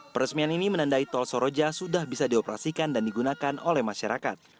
peresmian ini menandai tol soroja sudah bisa dioperasikan dan digunakan oleh masyarakat